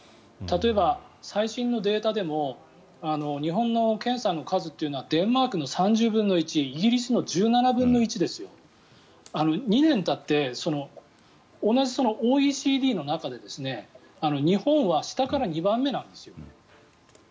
例えば、最新のデータでも日本の検査の数というのはデンマークの３０分の１イギリスの１７分の１ですよ。２年たって同じＯＥＣＤの中で日本は下から２番目なんですよ。